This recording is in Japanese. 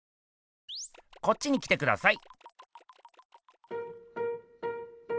こっちに来てください。